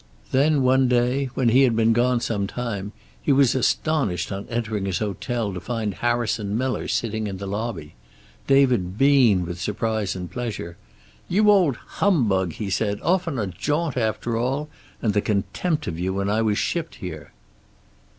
Then, one day, when he had been gone some time, he was astonished on entering his hotel to find Harrison Miller sitting in the lobby. David beamed with surprise and pleasure. "You old humbug!" he said. "Off on a jaunt after all! And the contempt of you when I was shipped here!"